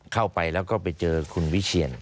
เข้าไปแล้วก็ไปเจอคุณวิเชียน